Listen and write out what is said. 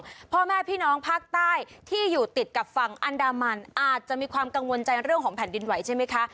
พ่อแม่พี่น้องภาคใต้ที่อยู่ติดกับฝั่งอันดามันอาจจะมีความกังวลใจเรื่องของแผ่นดินไหวใช่ไหมคะ